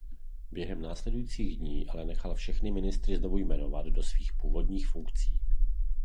Během následujících dní ale nechal všechny ministry znovu jmenovat do svých původních funkcí.